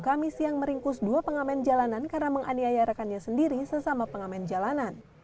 kamis yang meringkus dua pengamen jalanan karena menganiayarakannya sendiri sesama pengamen jalanan